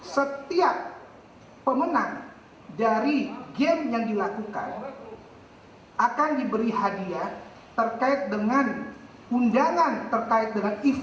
setiap pemenang dari game yang dilakukan akan diberi hadiah terkait dengan undangan terkait dengan event